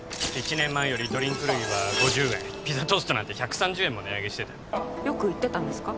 １年前よりドリンク類は５０円ピザトーストなんて１３０円も値上げしてたよく行ってたんですか？